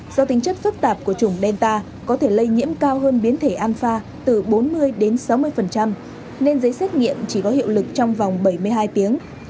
do tính chất phức tạp của chủng delta có thể lây nhiễm cao hơn biến thể anfa từ bốn mươi đến sáu mươi nên giấy xét nghiệm chỉ có hiệu lực trong vòng bảy mươi hai tiếng